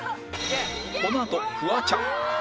このあとフワちゃん